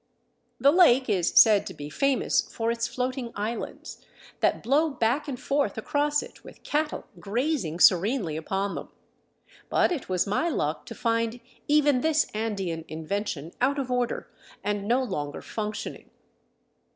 The lake is said to be famous for its floating islands, that blow back and forth across it with cattle grazing serenely upon them; but it was my luck to find even this Andean invention out of order and no longer " functioning."